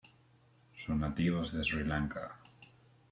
Son nativos de Sri Lanka.